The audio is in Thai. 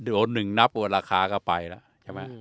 โดนหนึ่งนับว่าราคาก็ไปแล้วใช่ไหมอืม